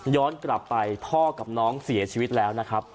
กลับไปพ่อกับน้องเสียชีวิตแล้วนะครับ